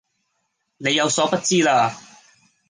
你有所不知啦